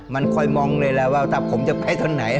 มันคอยมองเลยแล้วว่าถ้าผมจะไปตัวไหน